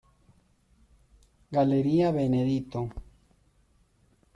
Galería Benedito.